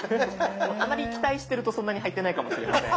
あまり期待してるとそんなに入ってないかもしれません。